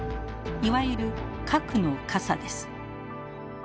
いわゆる核の傘です。